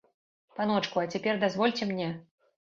Паночку, а цяпер дазвольце мне?